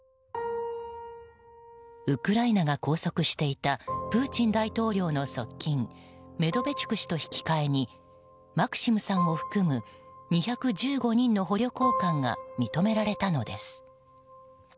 ウクライナが拘束していたプーチン大統領の側近メドベチュク氏と引き換えにマクシムさんを含む２１５人の捕虜交換が認められたのです。